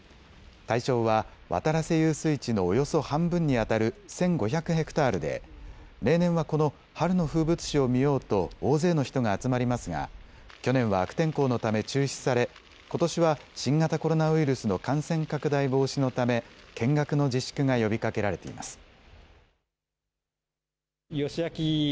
対象は渡良瀬遊水地のおよそ半分にあたる１５００ｈａで例年はこの春の風物詩を見ようと大勢の人が集まりますが去年は悪天候のため中止され、ことしは新型コロナウイルスの感染拡大防止のため見学の自粛が呼びかけられています。